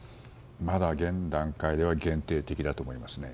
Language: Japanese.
まだ現段階では限定的だと思いますね。